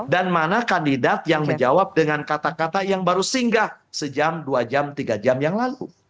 dan mana kandidat yang menjawab dengan kata kata yang baru singgah sejam dua jam tiga jam yang lalu